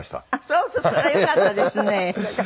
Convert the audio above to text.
それはよかったですね。